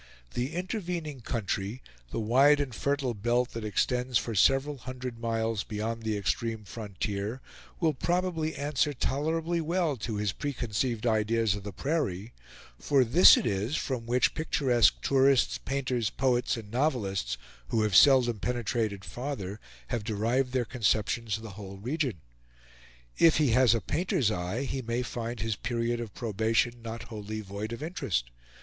The intervening country, the wide and fertile belt that extends for several hundred miles beyond the extreme frontier, will probably answer tolerably well to his preconceived ideas of the prairie; for this it is from which picturesque tourists, painters, poets, and novelists, who have seldom penetrated farther, have derived their conceptions of the whole region. If he has a painter's eye, he may find his period of probation not wholly void of interest.